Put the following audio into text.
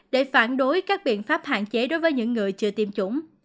để phản đối các biện pháp hạn chế đối với những người chưa tiêm chủng